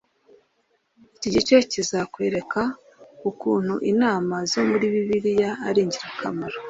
Iki gice kizakwereka ukuntu inama zo muri Bibiliya ari ingirakamaro